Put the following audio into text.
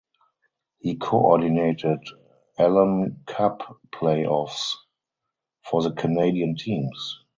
He coordinated Allan Cup playoffs for the Canadian teams.